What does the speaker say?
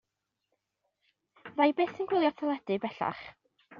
Fydda i byth yn gwylio'r teledu bellach.